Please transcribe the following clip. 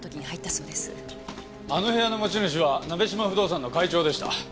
あの部屋の持ち主は鍋島不動産の会長でした。